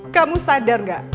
kamu sadar gak